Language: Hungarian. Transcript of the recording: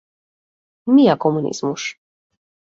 Mi a kommunizmus?